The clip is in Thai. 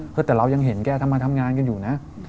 แต่เรายังเห็นแกทำงานกันอยู่นะ